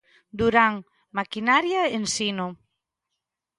Durán Maquinaria Ensino.